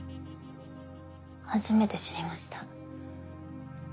初めて知りました。